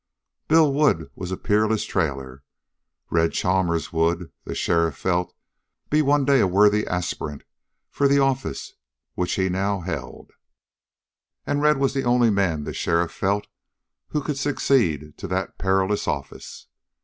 Bill Wood was a peerless trailer; Red Chalmers would, the sheriff felt, be one day a worthy aspirant for the office which he now held, and Red was the only man the sheriff felt who could succeed to that perilous office.